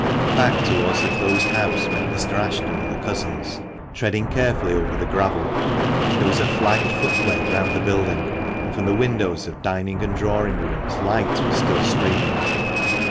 Back towards the closed house went Mr. Ashton and the cousins, treading carefully over the gravel. There was a flagged footway round the building, and from the windows of dining and drawing rooms light was still streaming.